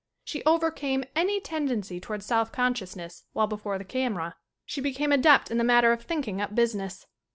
She over came any tendency toward self consciousness while before the camera. She became adept in the matter of thinking up busi ness.